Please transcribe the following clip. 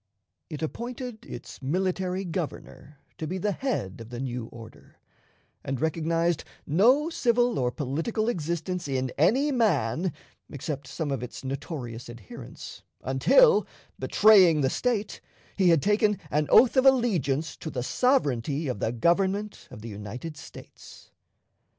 It appointed its military Governor to be the head of the new order, and recognized no civil or political existence in any man, except some of its notorious adherents, until, betraying the State, he had taken an oath of allegiance to the sovereignty of the Government of the United States.